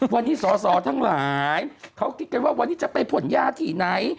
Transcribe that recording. วันนี้สอสอทั้งหลายเขาคิดกันว่าวันนี้จะไปผลยาที่ไหน